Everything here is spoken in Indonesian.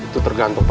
tak akan cinta